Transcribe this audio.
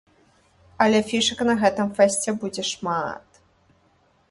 Але фішак на гэтым фэсце будзе шмат.